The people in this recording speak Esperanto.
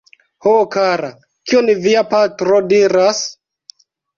Ho kara, kion via patro diras?